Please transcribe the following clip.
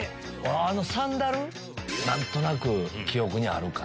あのサンダル何となく記憶にあるかな。